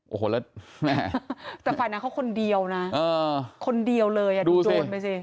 โอโหเลิศแหมแต่ฝ่ายนางเขาคนเดียวน่ะเออคนเดียวเลยดูสิดูดไปสิ